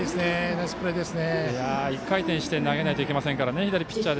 ナイスプレーでした。